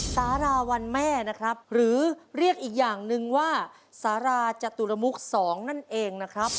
สาราวันแม่นะครับหรือเรียกอีกอย่างหนึ่งว่าสาราจตุรมุก๒นั่นเองนะครับ